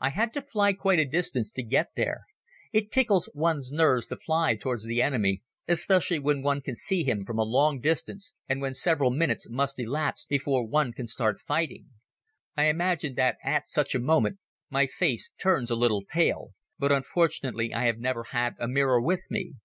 I had to fly quite a distance to get there. It tickles ones nerves to fly towards the enemy, especially when one can see him from a long distance and when several minutes must elapse before one can start fighting. I imagine that at such a moment my face turns a little pale, but unfortunately I have never had a mirror with me.